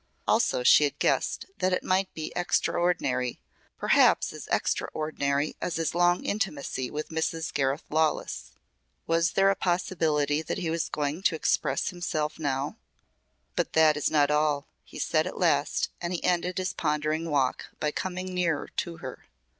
Also she had guessed that it might be extraordinary perhaps as extraordinary as his long intimacy with Mrs. Gareth Lawless. Was there a possibility that he was going to express himself now? "But that is not all," he said at last and he ended his pondering walk by coming nearer to her.